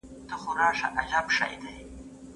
د نورو سورتونو په نسبت یوسف سورت ځيني ځانګړتياوي لري.